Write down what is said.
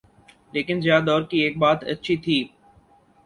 لیکن ضیاء دور کی ایک بات اچھی تھی۔